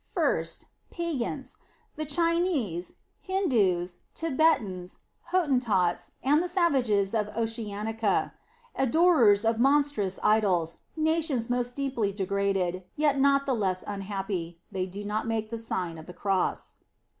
First, pagans : the Chinese, Hindoos, Thibe tans, Hottentots, and the savages of Oceanica, adorers of monstrous idols, nations most deeply degraded, yet not the less unhappy they do not make the Sign of the Cross.